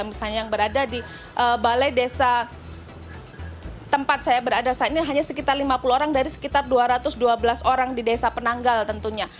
misalnya yang berada di balai desa tempat saya berada saat ini hanya sekitar lima puluh orang dari sekitar dua ratus dua belas orang di desa penanggal tentunya